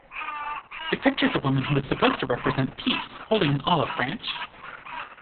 It pictures a woman who is supposed to represent Peace holding an olive branch.